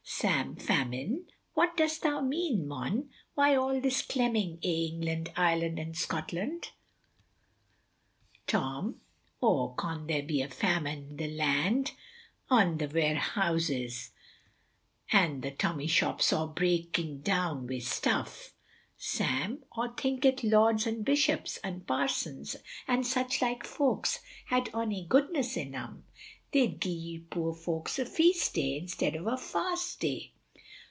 Sam Famine, wot dost mean mon, why all this clemming eh England, Ireland, an' Scotland. Tom Aw con there be a famine ith' land, un th' warehouses an th' tommy shops aw breaking down wi' stuff. Sam Aw think eth' Lords un Bishops, un Parsons an such like folks had ony goodness in um, they'd gie poor folks a feast day, instead of a fast day.